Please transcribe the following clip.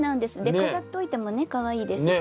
飾っておいてもねかわいいですし。